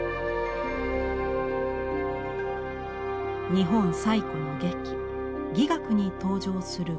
日本最古の劇伎楽に登場する呉公。